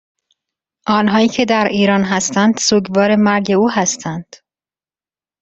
آنهایی که در ایران هستند سوگوار مرگ او هستند